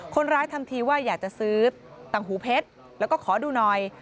ทำทีว่าอยากจะซื้อตังหูเพชรแล้วก็ขอดูหน่อย